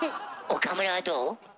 岡村はどう？